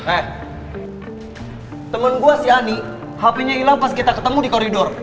eh temen gue si ani hpnya ilang pas kita ketemu di koridor